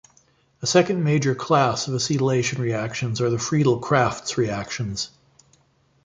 A second major class of acetylation reactions are the Friedel-Crafts reactions.